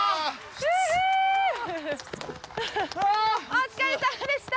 お疲れさまでした！